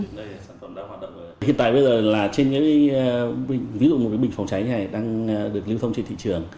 hiện tại bây giờ là trên những bình phòng cháy này đang được lưu thông trên thị trường